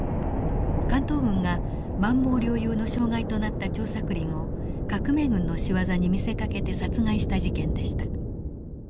関東軍が満蒙領有の障害となった張作霖を革命軍の仕業に見せかけて殺害した事件でした。